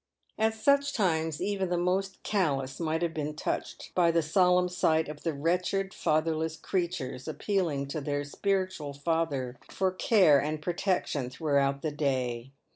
At such times even the most callous might have been touched by the solemn sight of the wretched fatherless creatures appealing to their spiritual Father for care and protection throughout the day.